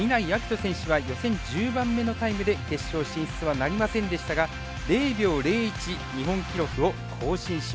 翔選手は予選１０番目のタイムで決勝進出はなりませんでしたが０秒０１日本記録を更新しました。